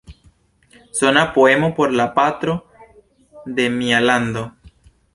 Sona poemo por la patro de mia lando".